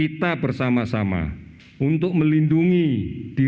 itu berat tersebab dua belah orang beads